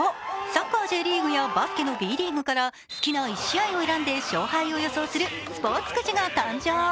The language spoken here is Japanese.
サッカー・ＪリーグやバスケのＢリーグから好きな１試合を選んで勝敗を予想するスポーツくじが誕生。